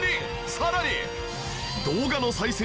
さらに。